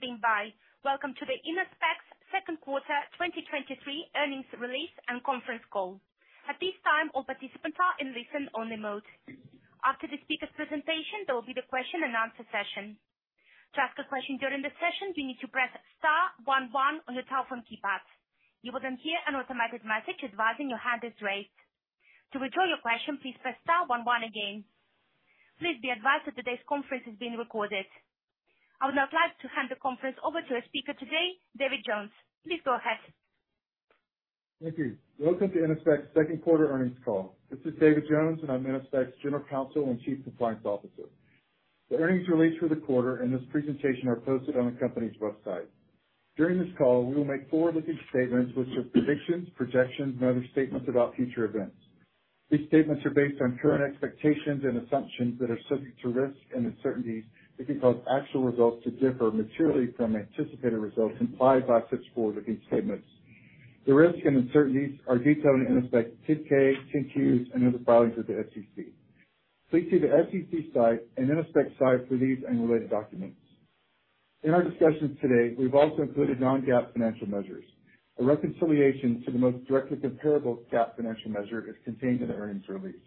Good day, and thank you for standing by. Welcome to the Innospec's second quarter 2023 earnings release and conference call. At this time, all participants are in listen only mode. After the speaker presentation, there will be the question and answer session. To ask a question during the session, you need to press star one one on your telephone keypad. You will then hear an automatic message advising your hand is raised. To withdraw your question, please press star one one again. Please be advised that today's conference is being recorded. I would now like to hand the conference over to our speaker today, David Jones. Please go ahead. Thank you. Welcome to Innospec's second quarter earnings call. This is David Jones, and I'm Innospec's General Counsel and Chief Compliance Officer. The earnings release for the quarter and this presentation are posted on the company's website. During this call, we will make forward-looking statements which are predictions, projections, and other statements about future events. These statements are based on current expectations and assumptions that are subject to risks and uncertainties that could cause actual results to differ materially from anticipated results implied by such forward-looking statements. The risks and uncertainties are detailed in Innospec's 10-K, 10-Qs, and other filings with the SEC. Please see the SEC site and Innospec's site for these and related documents. In our discussions today, we've also included non-GAAP financial measures. A reconciliation to the most directly comparable GAAP financial measure is contained in the earnings release.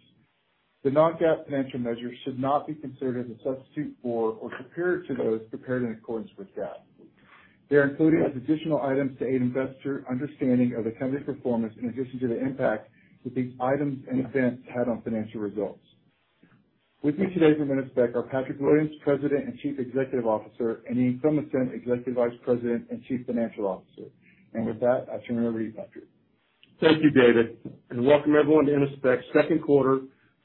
The non-GAAP financial measures should not be considered as a substitute for or superior to those prepared in accordance with GAAP. They're included as additional items to aid investor understanding of the company's performance, in addition to the impact that these items and events had on financial results. With me today from Innospec are Patrick Williams, President and Chief Executive Officer, and Ian Cleminson, Executive Vice President and Chief Financial Officer. With that, I turn it over to you, Patrick. Thank you, David. Welcome everyone to Innospec's second quarter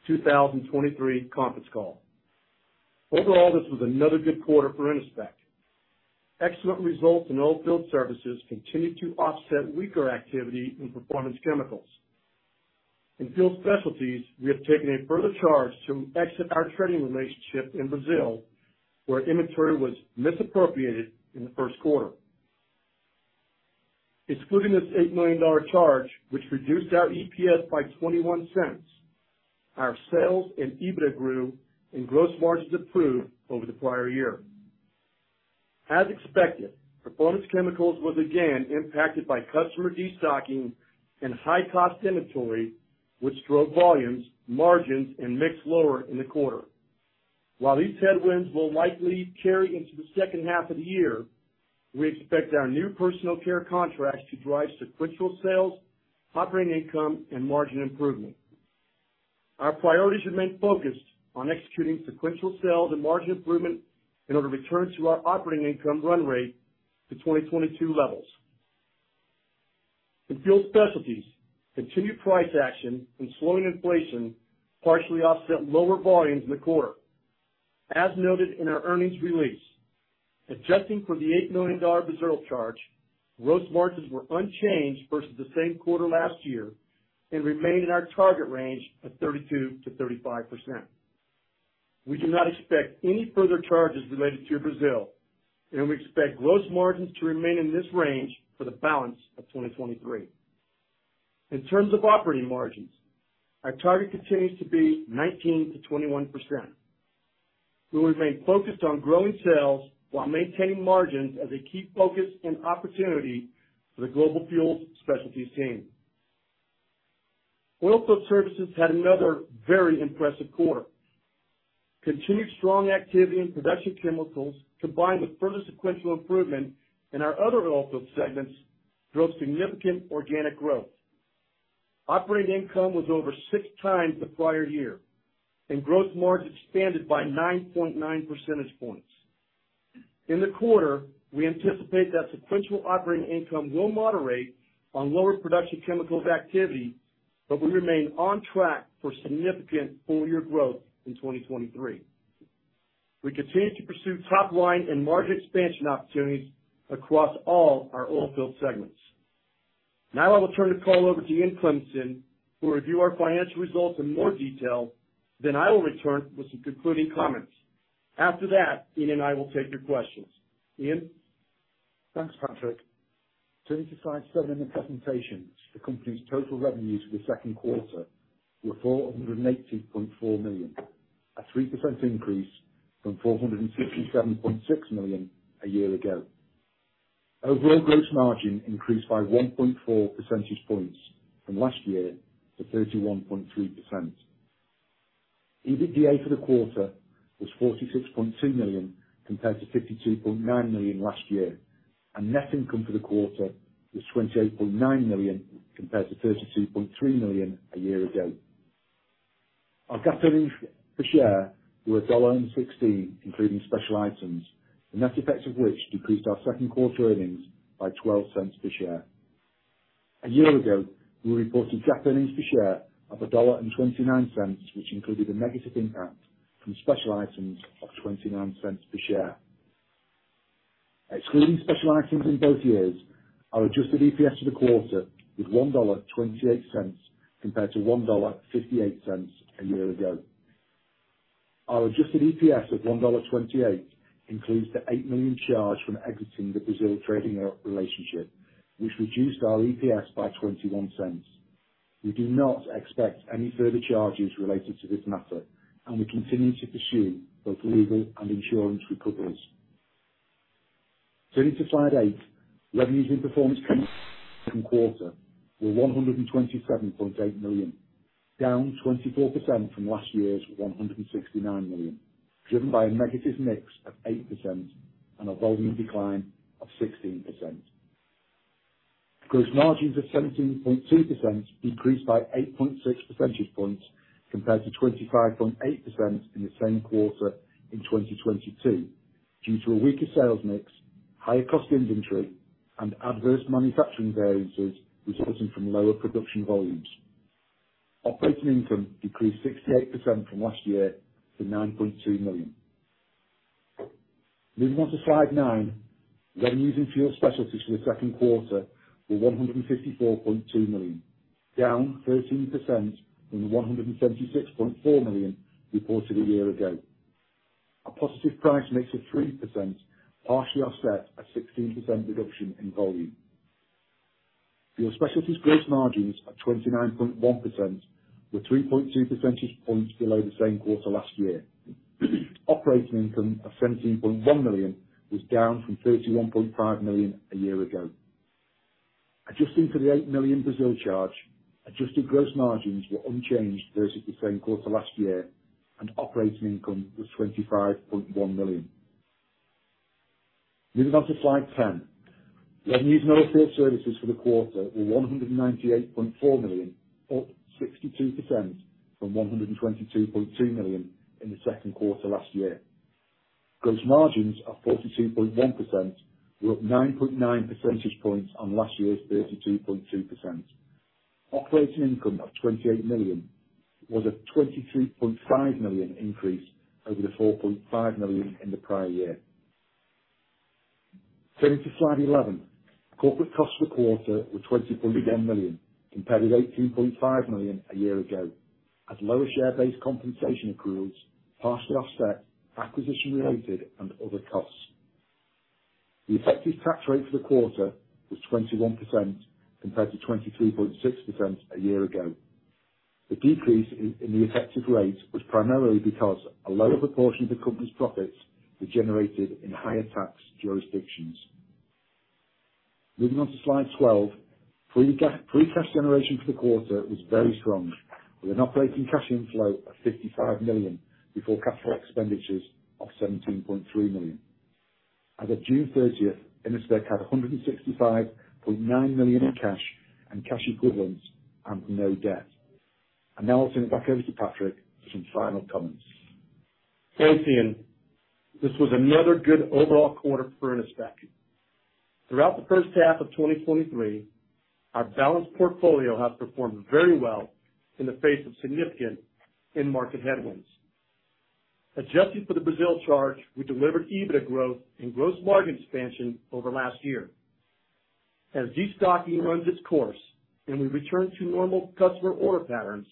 2023 conference call. Overall, this was another good quarter for Innospec. Excellent results in Oilfield Services continued to offset weaker activity in Performance Chemicals. In Fuel Specialties, we have taken a further charge to exit our trading relationship in Brazil, where inventory was misappropriated in the first quarter. Excluding this $8 million charge, which reduced our EPS by $0.21, our sales and EBITDA grew and gross margins improved over the prior year. As expected, Performance Chemicals was again impacted by customer destocking and high-cost inventory, which drove volumes, margins, and mix lower in the quarter. While these headwinds will likely carry into the second half of the year, we expect our new personal care contracts to drive sequential sales, operating income, and margin improvement. Our priorities remain focused on executing sequential sales and margin improvement in order to return to our operating income run rate to 2022 levels. In Fuel Specialties, continued price action and slowing inflation partially offset lower volumes in the quarter. As noted in our earnings release, adjusting for the $8 million Brazil charge, gross margins were unchanged versus the same quarter last year and remain in our target range of 32%-35%. We do not expect any further charges related to Brazil, and we expect gross margins to remain in this range for the balance of 2023. In terms of operating margins, our target continues to be 19%-21%. We will remain focused on growing sales while maintaining margins as a key focus and opportunity for the global fuels specialties team. Oilfield Services had another very impressive quarter. Continued strong activity in production chemicals, combined with further sequential improvement in our other oilfield segments, drove significant organic growth. Operating income was over 6x the prior year, and growth margin expanded by 9.9 percentage points. In the quarter, we anticipate that sequential operating income will moderate on lower production chemicals activity, but we remain on track for significant full year growth in 2023. We continue to pursue top line and margin expansion opportunities across all our oilfield segments. Now I will turn the call over to Ian Cleminson, who will review our financial results in more detail. I will return with some concluding comments. After that, Ian and I will take your questions. Ian? Thanks, Patrick. Turning to slide 7 in the presentation, the company's total revenues for the second quarter were $480.4 million, a 3% increase from $457.6 million a year ago. Overall gross margin increased by 1.4 percentage points from last year to 31.3%. EBITDA for the quarter was $46.2 million, compared to $52.9 million last year, and net income for the quarter was $28.9 million, compared to $32.3 million a year ago. Our GAAP earnings per share were $1.16, including special items, the net effects of which decreased our second quarter earnings by $0.12 per share. A year ago, we reported GAAP earnings per share of $1.29, which included a negative impact from special items of $0.29 per share. Excluding special items in both years, our Adjusted EPS for the quarter was $1.28, compared to $1.58 a year ago. Our Adjusted EPS of $1.28 includes the $8 million charge from exiting the Brazil trading relationship, which reduced our EPS by $0.21. We do not expect any further charges related to this matter, and we continue to pursue both legal and insurance recoveries. Turning to slide 8, revenues in Performance Chemicals in the second quarter were $127.8 million, down 24% from last year's $169 million, driven by a negative mix of 8% and a volume decline of 16%. Gross margins of 17.2% decreased by 8.6 percentage points compared to 25.8% in the same quarter in 2022, due to a weaker sales mix, higher cost inventory, and adverse manufacturing variances resulting from lower production volumes. Operating income decreased 68% from last year to $9.2 million. Moving on to slide 9. Revenues in Fuel Specialties for the second quarter were $154.2 million, down 13% from $176.4 million reported a year ago. A positive price mix of 3% partially offset a 16% reduction in volume. Fuel Specialties gross margins of 29.1% were 3.2 percentage points below the same quarter last year. Operating income of $17.1 million was down from $31.5 million a year ago. Adjusting for the $8 million Brazil charge, Adjusted gross margins were unchanged versus the same quarter last year, and operating income was $25.1 million. Moving on to slide 10. Revenues in Oilfield Services for the quarter were $198.4 million, up 62% from $122.2 million in the second quarter last year. Gross margins of 42.1% were up 9.9 percentage points on last year's 32.2%. Operating income of $28 million was a $23.5 million increase over the $4.5 million in the prior year. Turning to slide 11. Corporate costs for the quarter were $20.1 million, compared with $18.5 million a year ago, as lower share-based compensation accruals partially offset acquisition-related and other costs. The effective tax rate for the quarter was 21%, compared to 23.6% a year ago. The decrease in the effective rate was primarily because a lower proportion of the company's profits were generated in higher tax jurisdictions. Moving on to slide 12. Free cash generation for the quarter was very strong, with an operating cash inflow of $55 million before capital expenditures of $17.3 million. As of June 30th, Innospec had $165.9 million in cash and cash equivalents and no debt. Now I'll turn it back over to Patrick for some final comments. Thanks, Ian. This was another good overall quarter for Innospec. Throughout the first half of 2023, our balanced portfolio has performed very well in the face of significant end market headwinds. Adjusted for the Brazil charge, we delivered EBITDA growth and gross margin expansion over last year. As destocking runs its course and we return to normal customer order patterns,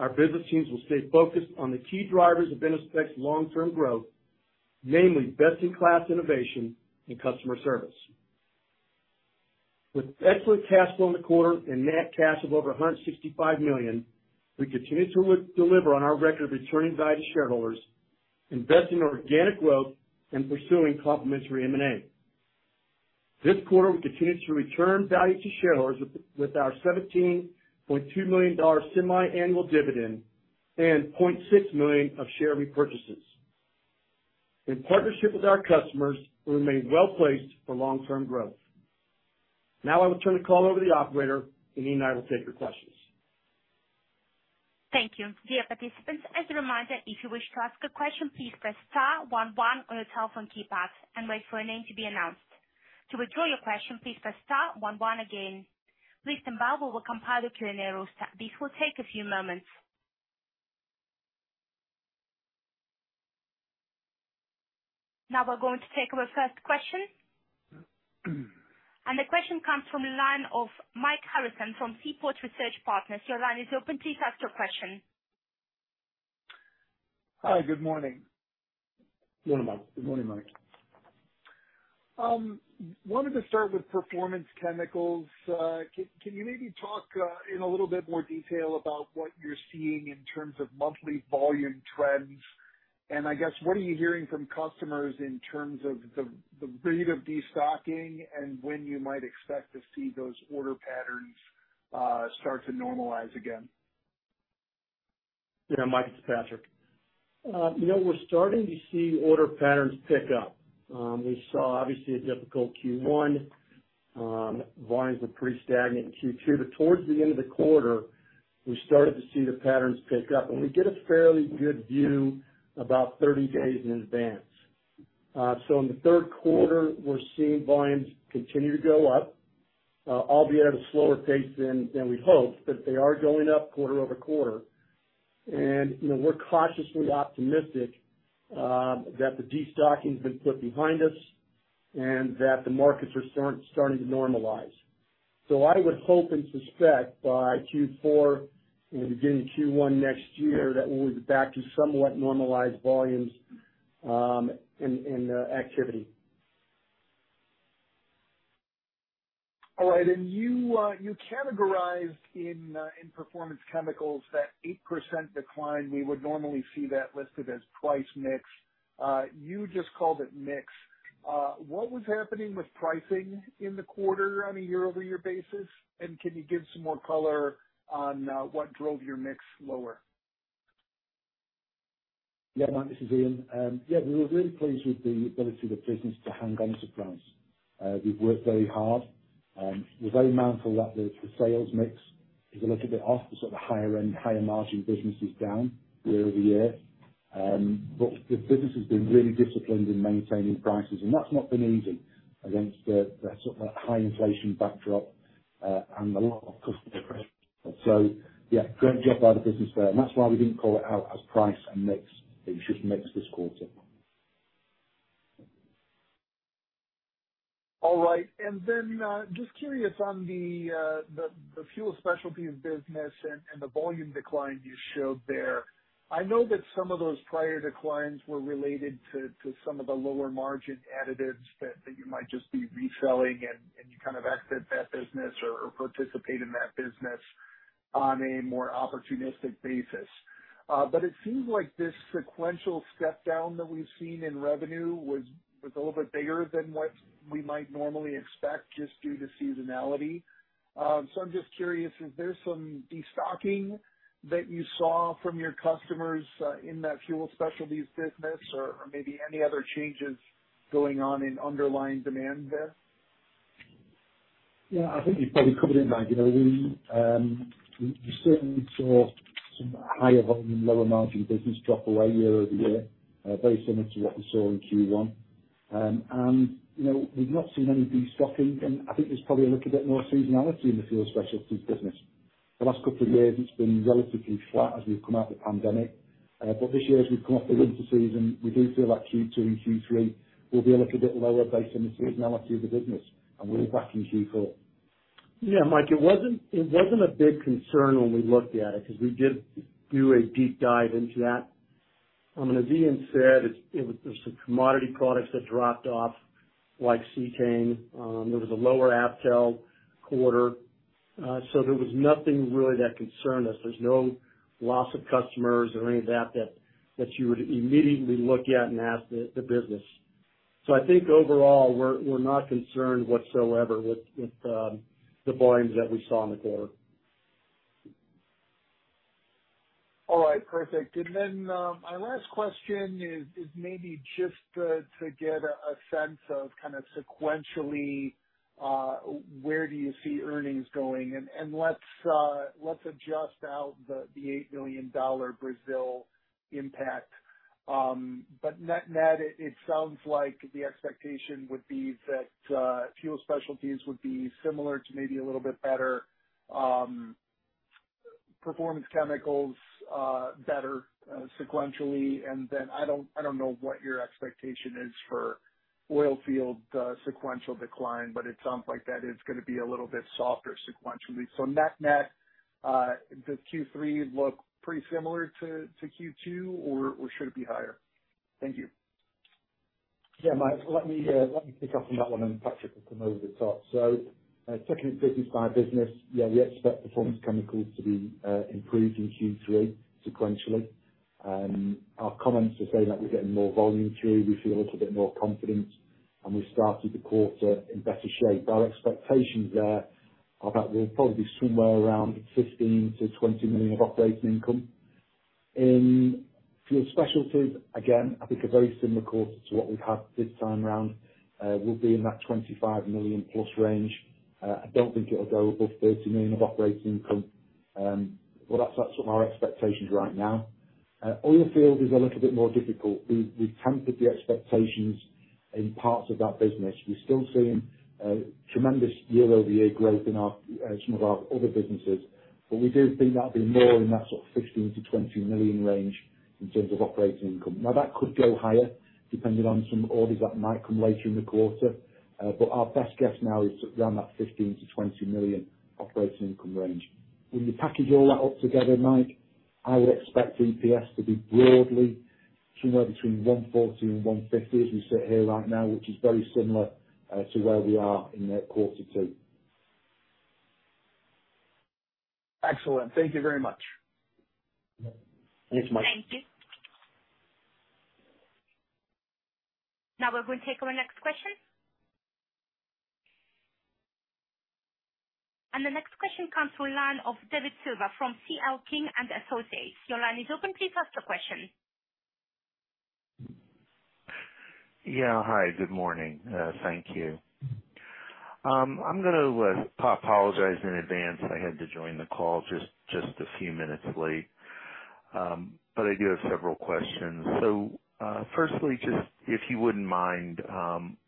our business teams will stay focused on the key drivers of Innospec's long-term growth, namely best-in-class innovation and customer service. With excellent cash flow in the quarter and net cash of over $165 million, we continue to redeliver on our record of returning value to shareholders, investing in organic growth, and pursuing complementary M&A. This quarter, we continued to return value to shareholders with our $17.2 million semi-annual dividend and $0.6 million of share repurchases. In partnership with our customers, we remain well placed for long-term growth. Now I will turn the call over to the operator, and Ian and I will take your questions. Thank you. Dear participants, as a reminder, if you wish to ask a question, please press star one one on your telephone keypad and wait for your name to be announced. To withdraw your question, please press star one one again. Please stand by while we compile the Q&A roster. This will take a few moments. Now, we're going to take our first question. The question comes from the line of Mike Harrison from Seaport Research Partners. Your line is open. Please ask your question. Hi, good morning. Morning, Mike. Good morning, Mike. Wanted to start with Performance Chemicals. Can you maybe talk in a little bit more detail about what you're seeing in terms of monthly volume trends? And I guess, what are you hearing from customers in terms of the rate of destocking and when you might expect to see those order patterns start to normalize again? Yeah, Mike, it's Patrick. You know, we're starting to see order patterns pick up. We saw obviously a difficult Q1. Volumes were pretty stagnant in Q2, but towards the end of the quarter, we started to see the patterns pick up. We get a fairly good view about 30 days in advance. In the third quarter, we're seeing volumes continue to go up, albeit at a slower pace than, than we'd hoped, but they are going up quarter-over-quarter. You know, we're cautiously optimistic, that the destocking has been put behind us and that the markets are starting to normalize. I would hope and suspect by Q4 and beginning Q1 next year, that we'll be back to somewhat normalized volumes, in activity. All right. You, you categorized in, in Performance Chemicals, that 8% decline, we would normally see that listed as price mix. You just called it mix. What was happening with pricing in the quarter on a year-over-year basis? Can you give some more color on what drove your mix lower? Yeah, Mike, this is Ian. Yeah, we were really pleased with the ability of the business to hang on to price. We've worked very hard, we're very mindful that the, the sales mix is a little bit off, the sort of higher end, higher margin business is down year-over-year. But the business has been really disciplined in maintaining prices, and that's not been easy against the, the sort of that high inflation backdrop, and a lot of customer pressure. Yeah, great job by the business there. And that's why we didn't call it out as price and mix. It's just mix this quarter. All right. Just curious on the, the Fuel Specialties business and the volume decline you showed there. I know that some of those prior declines were related to some of the lower margin additives that you might just be reselling, and you kind of exit that business or participate in that business on a more opportunistic basis. It seems like this sequential step down that we've seen in revenue was a little bit bigger than what we might normally expect, just due to seasonality. I'm just curious, is there some destocking that you saw from your customers in that Fuel Specialties business, or maybe any other changes going on in underlying demand there? Yeah, I think you've probably covered it, Mike. You know, we, we certainly saw some higher volume, lower margin business drop away year-over-year, very similar to what we saw in Q1. You know, we've not seen any destocking, and I think there's probably a little bit more seasonality in the Fuel Specialties business. The last couple of years, it's been relatively flat as we've come out the pandemic. This year, as we've come off the winter season, we do feel like Q2 and Q3 will be a little bit lower based on the seasonality of the business and we're back in Q4. Yeah, Mike, it wasn't, it wasn't a big concern when we looked at it, because we did do a deep dive into that. As Ian said, it was some commodity products that dropped off, like cetane. There was a lower Avtel quarter. There was nothing really that concerned us. There's no loss of customers or any of that, that, that you would immediately look at and ask the, the business. I think overall, we're, we're not concerned whatsoever with, with, the volumes that we saw in the quarter. All right. Perfect. Then, my last question is, is maybe just to get a sense of kind of sequentially, where do you see earnings going? Let's, let's adjust out the, the $8 million Brazil impact. Net-net, it, it sounds like the expectation would be that Fuel Specialties would be similar to maybe a little bit better. Performance Chemicals, better, sequentially, and then I don't, I don't know what your expectation is for oil field, sequential decline, but it sounds like that is gonna be a little bit softer sequentially. Net-net, does Q3 look pretty similar to, to Q2, or, or should it be higher? Thank you. Yeah, Mike, let me let me pick up on that one. Patrick will come over the top. Technically, it's my business. Yeah, we expect Performance Chemicals to be improved in Q3 sequentially. Our comments today that we're getting more volume through, we feel a little bit more confident. We started the quarter in better shape. Our expectations there are that we're probably somewhere around $15 million-$20 million of operating income. In Fuel Specialties, again, I think a very similar quarter to what we've had this time around, we'll be in that $25 million+ range. I don't think it'll go above $30 million of operating income. That's, that's our expectations right now. Oilfield is a little bit more difficult. We, we tempered the expectations in parts of that business. We're still seeing tremendous year-over-year growth in our some of our other businesses, but we do think that'll be more in that sort of $15 million-$20 million range in terms of operating income. That could go higher depending on some orders that might come later in the quarter. Our best guess now is around that $15 million-$20 million operating income range. When you package all that up together, Mike, I would expect EPS to be broadly somewhere between $1.40 and $1.50 as we sit here right now, which is very similar to where we are in quarter two. Excellent. Thank you very much. Thanks, Mike. Thank you. Now we're going to take our next question. The next question comes through line of David Silver from C.L. King & Associates. Your line is open. Please ask your question. Yeah. Hi, good morning. Thank you. I'm gonna apologize in advance. I had to join the call just a few minutes late. I do have several questions. Firstly, just if you wouldn't mind,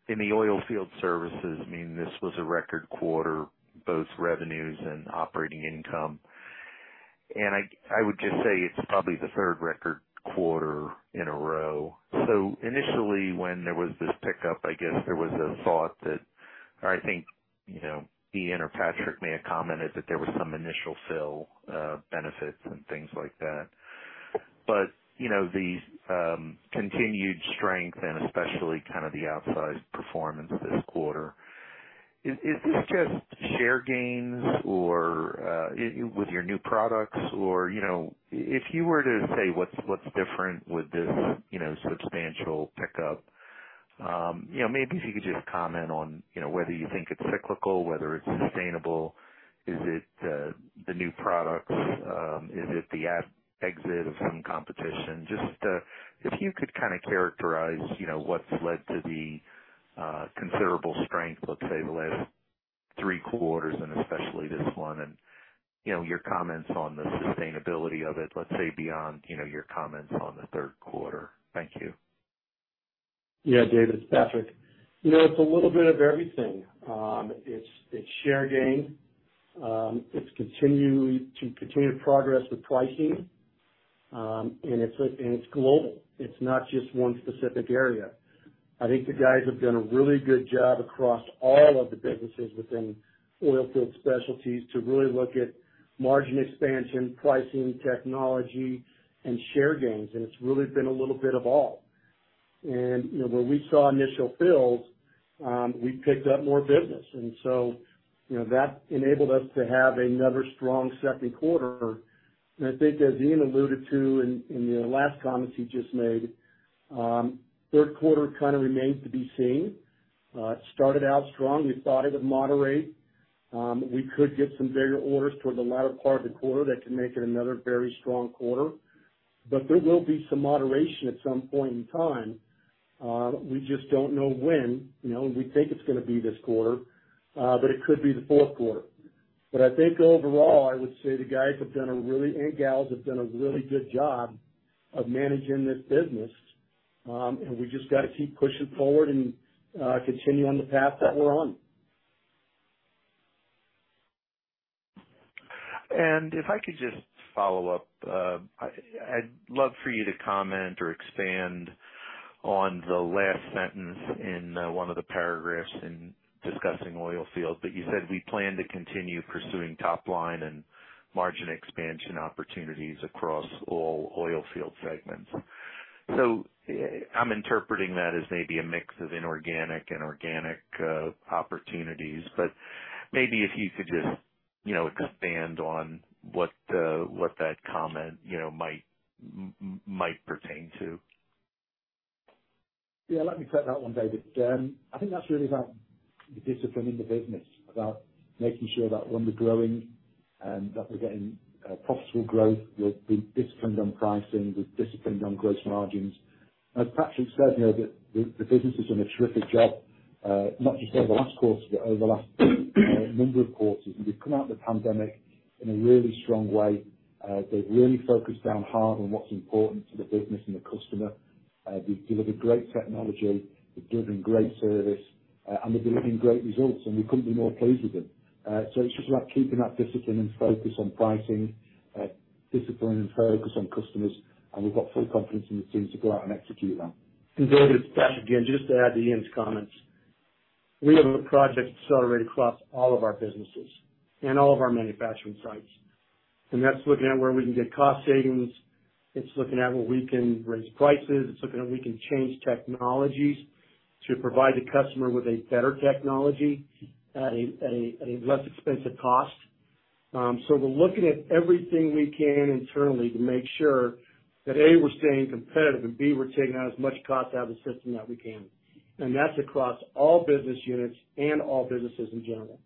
in the Oilfield Services, I mean, this was a record quarter, both revenues and operating income. I, I would just say it's probably the third record quarter in a row. Initially, when there was this pickup, I guess there was a thought that or I think, you know, Ian or Patrick may have commented that there was some initial fill benefits and things like that. You know, the continued strength and especially kind of the outsized performance this quarter, is, is this just share gains or with your new products? You know, if you were to say what's, what's different with this, you know, substantial pickup, you know, maybe if you could just comment on, you know, whether you think it's cyclical, whether it's sustainable, is it the new products? Is it the ex-exit of some competition? Just, if you could kind of characterize, you know, what's led to the considerable strength, let's say, the last three quarters and especially this one, and, you know, your comments on the sustainability of it, let's say, beyond, you know, your comments on the third quarter. Thank you. Yeah, David, it's Patrick. You know, it's a little bit of everything. It's share gain, it's continuing to, continued progress with pricing, and it's global. It's not just one specific area. I think the guys have done a really good job across all of the businesses within Oilfield Specialties to really look at margin expansion, pricing, technology, and share gains. It's really been a little bit of all. You know, when we saw initial fills, we picked up more business. You know, that enabled us to have another strong second quarter. I think, as Ian alluded to in, in the last comments he just made, third quarter kind of remains to be seen. It started out strong. We thought it would moderate. We could get some bigger orders toward the latter part of the quarter that can make it another very strong quarter. There will be some moderation at some point in time. We just don't know when, you know. We think it's going to be this quarter, but it could be the fourth quarter. I think overall, I would say the guys have done a really... and gals, have done a really good job of managing this business. We just got to keep pushing forward and continue on the path that we're on. If I could just follow up, I'd love for you to comment or expand on the last sentence in one of the paragraphs in discussing oilfield. You said we plan to continue pursuing top line and margin expansion opportunities across all oilfield segments. I'm interpreting that as maybe a mix of inorganic and organic opportunities. Maybe if you could just, you know, expand on what that comment, you know, might pertain to. Yeah, let me take that one, David. I think that's really about the discipline in the business, about making sure that when we're growing and that we're getting profitable growth, we're being disciplined on pricing, we're disciplined on growth margins. As Patrick said, you know, the business has done a terrific job, not just over the last quarter, but over the last number of quarters. We've come out the pandemic in a really strong way. They've really focused down hard on what's important to the business and the customer. We've delivered great technology, we've delivered great service, and we're delivering great results, and we couldn't be more pleased with them. It's just about keeping that discipline and focus on pricing, discipline and focus on customers, and we've got full confidence in the teams to go out and execute that. David, it's Patrick again, just to add to Ian's comments. We have a project accelerated across all of our businesses and all of our manufacturing sites, and that's looking at where we can get cost savings. It's looking at where we can raise prices. It's looking at we can change technologies to provide the customer with a better technology at a less expensive cost. So we're looking at everything we can internally to make sure that, A, we're staying competitive, and B, we're taking out as much cost out of the system that we can. That's across all business units and all businesses in general.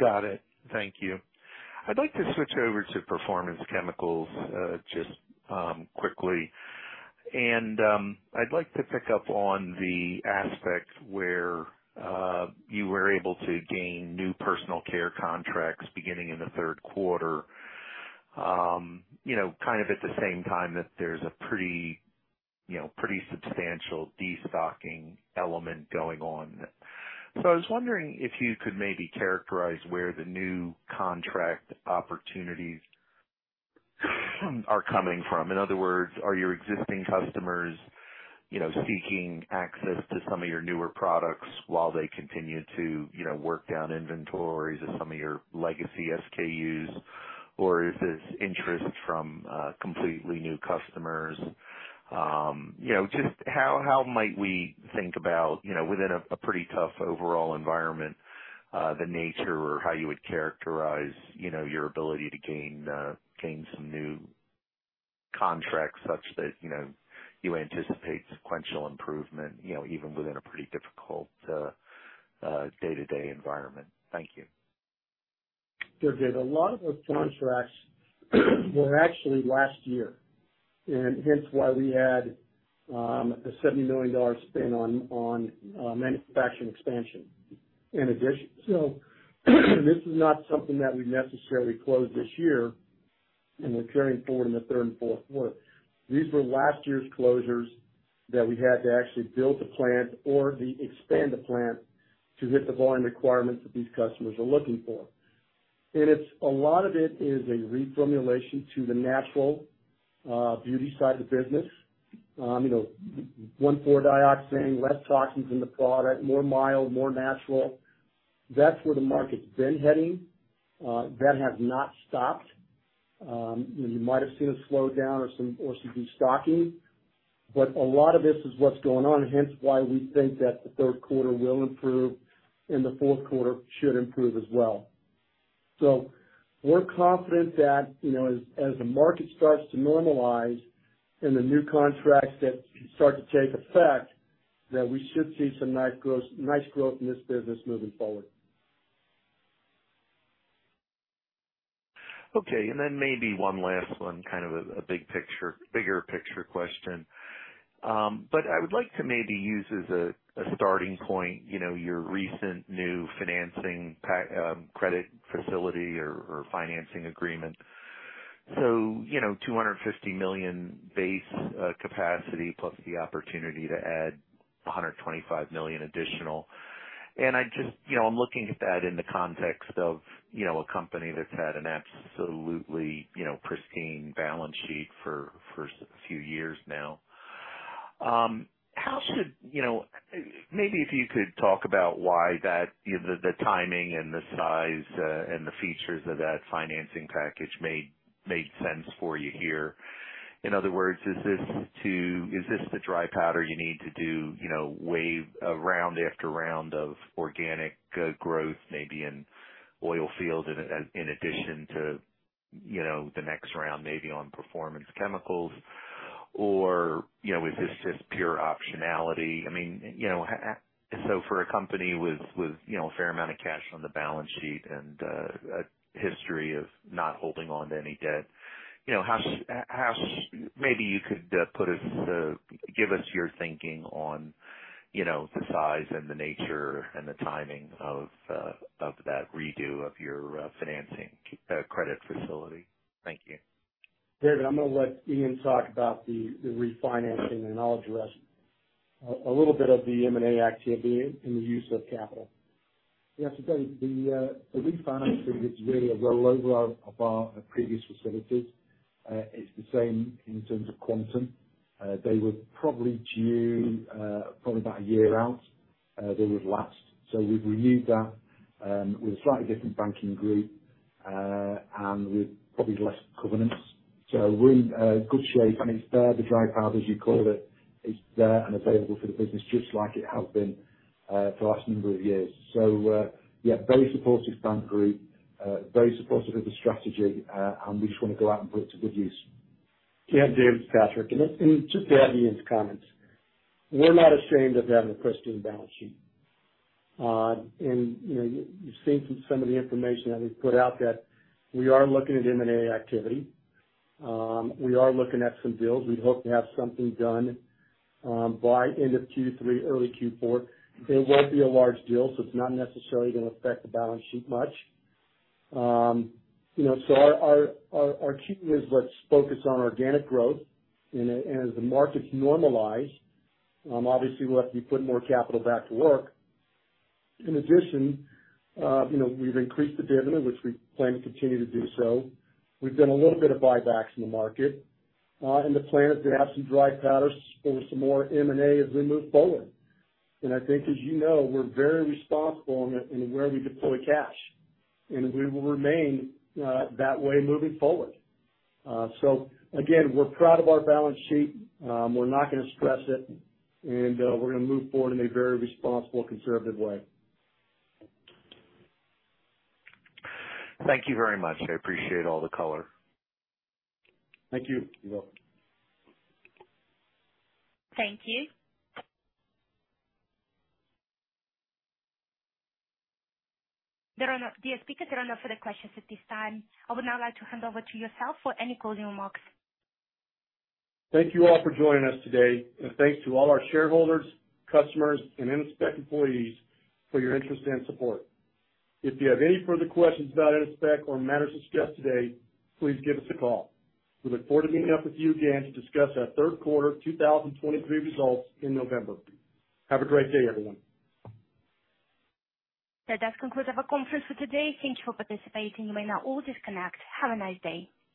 Got it. Thank you. I'd like to switch over to Performance Chemicals, just quickly. I'd like to pick up on the aspect where you were able to gain new personal care contracts beginning in the third quarter. You know, kind of at the same time that there's a pretty, you know, pretty substantial destocking element going on. I was wondering if you could maybe characterize where the new contract opportunities are coming from. In other words, are your existing customers, you know, seeking access to some of your newer products while they continue to, you know, work down inventories of some of your legacy SKUs? Is this interest from completely new customers you know, just how, how might we think about, you know, within a pretty tough overall environment, the nature or how you would characterize, you know, your ability to gain, gain some new contracts such that, you know, you anticipate sequential improvement, you know, even within a pretty difficult, day-to-day environment? Thank you. Sure, David. Hence why we had a $70 million spend on manufacturing expansion in addition. This is not something that we necessarily closed this year and we're carrying forward in the third and fourth quarter. These were last year's closures that we had to actually build the plant or expand the plant to hit the volume requirements that these customers are looking for. It's, a lot of it is a reformulation to the natural beauty side of the business. You know, 1,4-dioxane, less toxins in the product, more mild, more natural. That's where the market's been heading. That has not stopped. You might have seen a slowdown or some destocking, but a lot of this is what's going on, hence why we think that the third quarter will improve and the fourth quarter should improve as well. We're confident that, you know, as, as the market starts to normalize and the new contracts that start to take effect, that we should see some nice growth in this business moving forward. Okay, maybe one last one, kind of a, a big picture, bigger picture question. I would like to maybe use as a, a starting point, you know, your recent new financing pack, credit facility or, or financing agreement. You know, $250 million base, capacity, plus the opportunity to add $125 million additional. I just, you know, I'm looking at that in the context of, you know, a company that's had an absolutely, you know, pristine balance sheet for, for a few years now. How should... You know, maybe if you could talk about why that, you know, the timing and the size, and the features of that financing package made, made sense for you here? In other words, is this the dry powder you need to do, you know, wave, round after round of organic growth, maybe in Oilfields in, in addition to, you know, the next round, maybe on Performance Chemicals? Or, you know, is this just pure optionality? I mean, you know, so for a company with, with, you know, a fair amount of cash on the balance sheet and a history of not holding on to any debt, you know, how, maybe you could, put us, give us your thinking on, you know, the size and the nature and the timing of that redo of your financing credit facility. Thank you. David, I'm gonna let Ian talk about the, the refinancing, then I'll address a little bit of the M&A activity and the use of capital. Yeah. David, the refinancing is really a rollover of our previous facilities. It's the same in terms of quantum. They were probably due, probably about a year out. They would last. We've renewed that with a slightly different banking group and with probably less covenants. We're in good shape, and it's there, the dry powder, as you call it, it's there and available for the business, just like it has been for the last number of years. Yeah, very supportive bank group, very supportive of the strategy, and we just want to go out and put it to good use. Yeah, David, it's Patrick, just to add to Ian's comments, we're not ashamed of having a pristine balance sheet. You know, you, you've seen from some of the information that we've put out that we are looking at M&A activity. We are looking at some deals. We hope to have something done by end of Q3, early Q4. It won't be a large deal, so it's not necessarily going to affect the balance sheet much. You know, our, our, our, our key is let's focus on organic growth, and as the markets normalize, obviously we'll have to be putting more capital back to work. In addition, you know, we've increased the dividend, which we plan to continue to do so. We've done a little bit of buybacks in the market, and the plan is to have some dry powder for some more M&A as we move forward. I think, as you know, we're very responsible in, in where we deploy cash, and we will remain that way moving forward. Again, we're proud of our balance sheet. We're not gonna stress it, and we're gonna move forward in a very responsible, conservative way. Thank you very much. I appreciate all the color. Thank you. You're welcome. Thank you. Dear speakers, there are no further questions at this time. I would now like to hand over to yourself for any closing remarks. Thank you all for joining us today. Thanks to all our shareholders, customers, and Innospec employees for your interest and support. If you have any further questions about Innospec or matters discussed today, please give us a call. We look forward to meeting up with you again to discuss our third quarter 2023 results in November. Have a great day, everyone. That does conclude our conference for today. Thank you for participating. You may now all disconnect. Have a nice day.